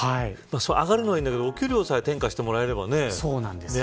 上がるのはいいんだけどお給料に転嫁してもらえればね。